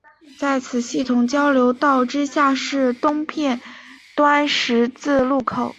在此系统交流道之下是东片端十字路口。